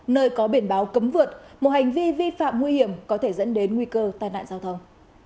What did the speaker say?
nơi có biển báo cấm vượt một hành vi vi phạm nguy hiểm có thể dẫn đến nguy cơ tai nạn giao thông